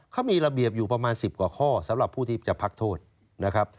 เขามีระเบียบอยู่ประมาณ๑๐กว่าข้อสำหรับผู้ที่จะพักโทษนะครับ